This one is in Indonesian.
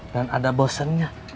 dan ada bosennya